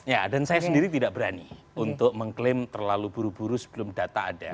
ya dan saya sendiri tidak berani untuk mengklaim terlalu buru buru sebelum data ada